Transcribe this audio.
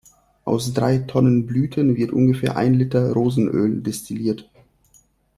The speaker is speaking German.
Aus drei Tonnen Blüten wird ungefähr ein Liter Rosenöl destilliert.